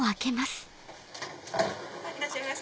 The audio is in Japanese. いらっしゃいませ。